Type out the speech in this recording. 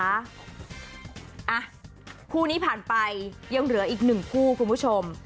อ่ะคู่นี้ผ่านไปยังเหลืออีกหนึ่งคู่คุณผู้ชม